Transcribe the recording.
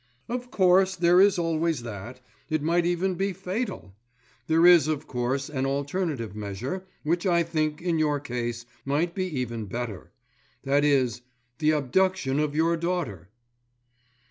"Of course, there is always that. It might even be fatal. There is, of course, an alternative measure, which I think, in your case, might be even better: that is, the abduction of your daughter."